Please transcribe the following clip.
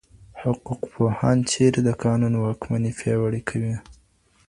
حقوقپوهان چیري د قانون واکمني پیاوړي کوي؟